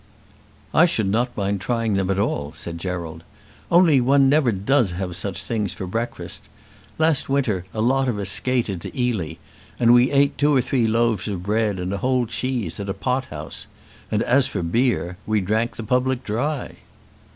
"I should not mind trying them at all," said Gerald. "Only one never does have such things for breakfast. Last winter a lot of us skated to Ely, and we ate two or three loaves of bread and a whole cheese at a pot house! And as for beer, we drank the public dry."